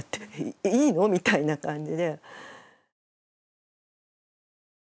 「いいの？」みたいな感じで。